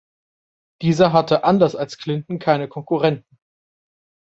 Dieser hatte anders als Clinton keine Konkurrenten.